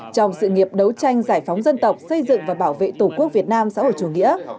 trong sự nghiệp đấu tranh giải phóng dân tộc xây dựng và bảo vệ tổ quốc việt nam xã hội chủ nghĩa